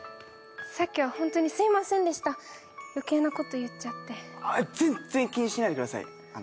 さっきは本当にすいませんでした余計なこと言っちゃって全然気にしないでください